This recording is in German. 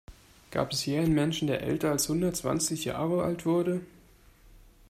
Gab es je einen Menschen, der älter als hundertzwanzig Jahre alt wurde?